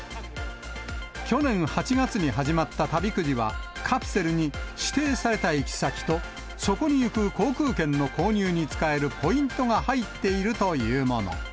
去年８月に始まった旅くじは、カプセルに指定された行き先と、そこに行く航空券の購入に使えるポイントが入っているというもの。